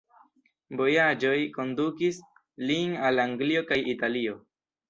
Vojaĝoj kondukis lin al Anglio kaj Italio.